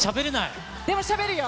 でもしゃべるよ。